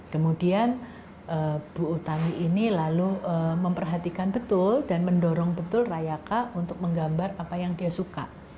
kemudian bu utami ini lalu memperhatikan betul dan mendorong betul rayaka untuk menggambar apa yang dia suka